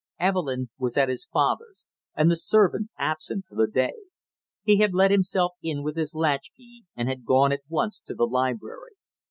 Evelyn was at his father's and the servant absent for the day. He had let himself in with his latchkey and had gone at once to the library.